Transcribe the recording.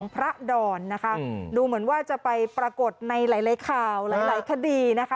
พระดอนนะคะดูเหมือนว่าจะไปปรากฏในหลายข่าวหลายคดีนะคะ